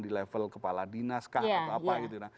di level kepala dinas kah atau apa gitu